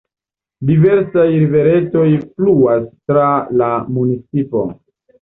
Diversaj riveretoj fluas tra la municipo.